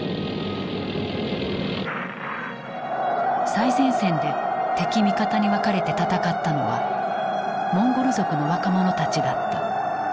最前線で敵味方に分かれて戦ったのはモンゴル族の若者たちだった。